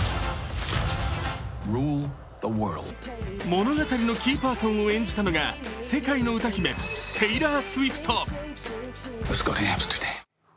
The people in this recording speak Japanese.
物語のキーパーソンを演じたのは世界の歌姫、テイラー・スウィフト。